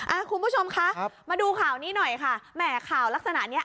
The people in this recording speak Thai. คุณผู้ชมคะครับมาดูข่าวนี้หน่อยค่ะแหมข่าวลักษณะเนี้ย